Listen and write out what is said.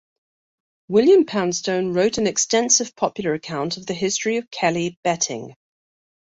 William Poundstone wrote an extensive popular account of the history of Kelly betting.